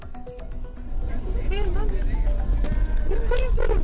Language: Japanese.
えっ、何？